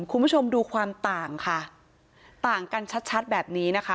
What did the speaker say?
คุณผู้ชมดูความต่างค่ะต่างกันชัดชัดแบบนี้นะคะ